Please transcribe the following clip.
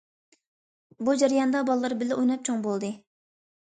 بۇ جەرياندا بالىلار بىللە ئويناپ چوڭ بولدى.